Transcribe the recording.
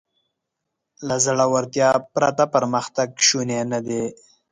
له زړهورتیا پرته پرمختګ شونی نهدی.